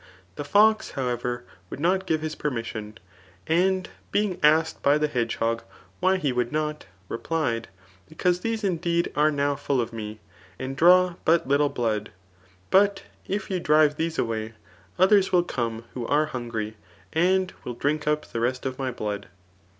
The fox, however, would not give his permission ; and being asked by the hedgehog why he would not, replied, because ^ese indeed are now fuU of me, and draw but little blood ; but if ypu drivq these away, . others will come who are hungry, and will drink up the rest of my blood.